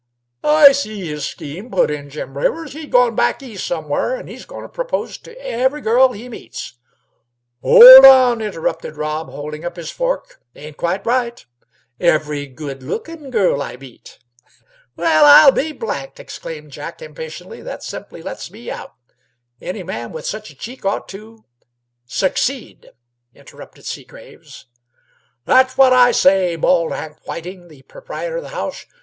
"I see his scheme," put in Jim Rivers. "He's goin' back East somewhere, an' he's goin' to propose to every girl he meets." "Hold on!" interrupted Rob, holding up his fork. "Ain't quite right. Every good lookin' girl I meet." "Well, I'll be blanked!" exclaimed Jack, impressively; "that simply lets me out. Any man with such a cheek ought to " "Succeed," interrupted Seagraves. "That's what I say," bawled Hank Whiting, the proprietor of the house.